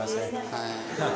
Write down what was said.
はい。